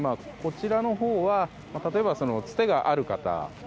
こちらのほうは例えば、つてがある方。